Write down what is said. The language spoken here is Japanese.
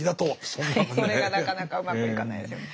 それがなかなかうまくいかないですよね。